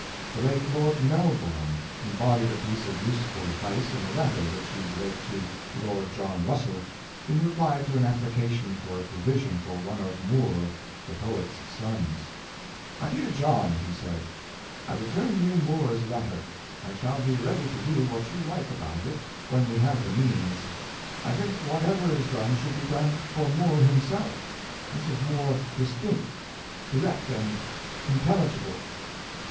The late Lord Melbourne embodied a piece of useful advice in a letter which he wrote to Lord John Russell, in reply to an application for a provision for one of Moore the poet's sons: ^' My dear John," he said, ''I return you Moore's letter. I shall be ready to do what you like about it when we have the means. I think whatever is done should be done for Moore himself This is more distinct, direct, and intelligible.